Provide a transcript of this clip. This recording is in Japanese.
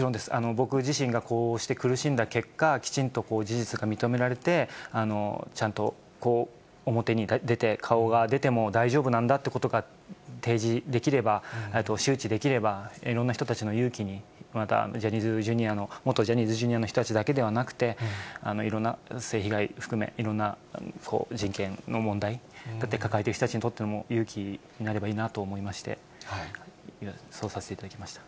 僕自身がこうして苦しんだ結果、きちんと事実が認められて、ちゃんと表に出て、顔が出ても大丈夫なんだってことが提示できれば、周知できれば、いろんな人たちの勇気に、またジャニーズＪｒ．の、元ジャニーズＪｒ．の人たちだけじゃなくて、いろんな性被害含め、いろんな人権の問題を抱えてる人たちにとっても勇気になればいいなと思いまして、そうさせていただきました。